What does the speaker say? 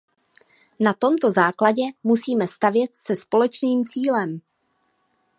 Na tomto základě musíme stavět se společným cílem.